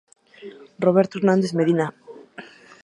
Roberto Hernández Medina, Cts.